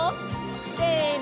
せの！